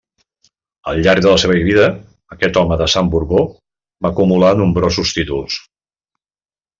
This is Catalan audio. Al llarg de la seva vida, aquest home de sang Borbó va acumular nombrosos títols.